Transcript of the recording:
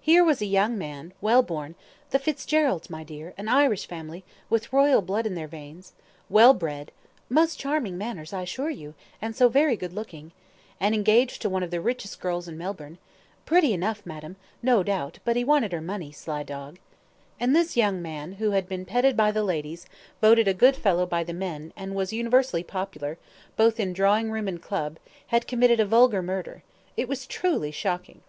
Here was a young man, well born "the Fitzgeralds, my dear, an Irish family, with royal blood in their veins" well bred "most charming manners, I assure you, and so very good looking" and engaged to one of the richest girls in Melbourne "pretty enough, madam, no doubt, but he wanted her money, sly dog;" and this young man, who had been petted by the ladies, voted a good fellow by the men, and was universally popular, both in drawing room and club, had committed a vulgar murder it was truly shocking.